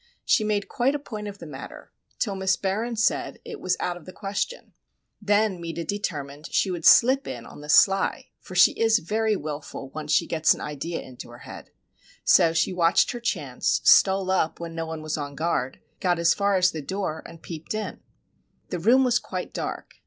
She made quite a point of the matter, till Miss Barron said it was out of the question. Then Meta determined she would slip in on the sly,—for she is very wilful, once she gets an idea into her head. So she watched her chance, stole up when no one was on guard, got as far as the door, and peeped in. The room was quite dark.